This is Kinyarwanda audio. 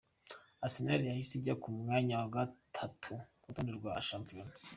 Arsenal yahise ijya ku mwanya wa gatatu ku rutonde rwa shampiyona.